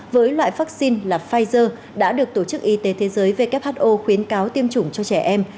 với loại vaccine là pfizer đã được tổ chức y tế thế giới who khuyến cáo tiêm chủng cho trẻ em